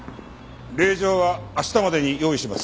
令状は明日までに用意します。